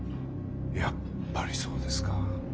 やっぱりそうですか。